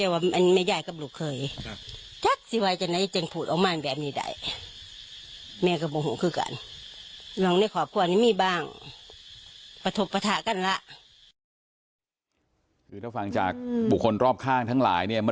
ประถมประทะกันละ